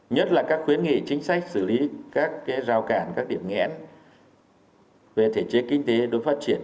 nhất là các khuyến nghị chính sách xử lý các giao cản các điểm nghẽn về thể chế kinh tế đối với phát triển